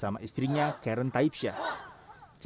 dan juga olimpiade